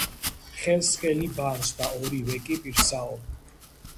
ხელი ხელს ბანს და ორივენი კი - პირსაო